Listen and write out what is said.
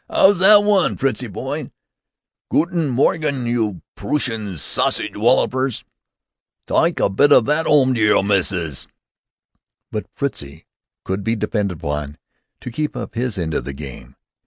"'Ow's that one, Fritzie boy?" "Gooten morgen, you Proosian sausage wallopers!" "Tyke a bit o' that there 'ome to yer missus!" But Fritzie could be depended upon to keep up his end of the game.